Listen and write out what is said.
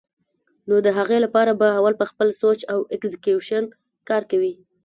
نو د هغې له پاره به اول پۀ خپل سوچ او اېکزیکيوشن کار کوي